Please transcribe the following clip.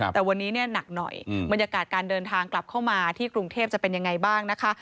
แต่วันนี้เนี่ยหนักหน่อยบรรยากาศการเดินทางกลับเข้ามาที่กรุงเทพจะเป็นยังไงบ้างนะคะ